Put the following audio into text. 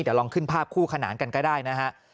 แต่ลองขึ้นภาพคู่ขนานกันก็ได้นะฮะ